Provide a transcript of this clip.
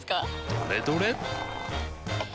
どれどれっ！